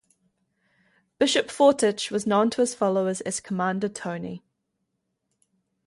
Bishop Fortich was known to his followers as "Commander Tony".